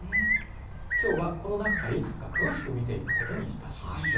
きょうはこの中から、いくつか詳しく見ていくことにいたしましょう。